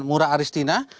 terima kasih christina